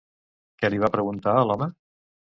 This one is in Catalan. Què li va preguntar a l'home?